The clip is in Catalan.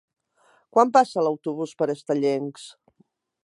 Quan passa l'autobús per Estellencs?